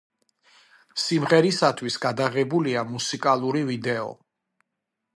სიმღერისათვის გადაღებულია მუსიკალური ვიდეო.